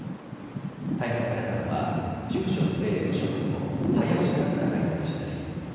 逮捕されたのは、住所不定無職の林一貴容疑者です。